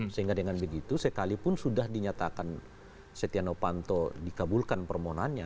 sehingga dengan begitu sekalipun sudah dinyatakan cetianopanto dikabulkan permohonannya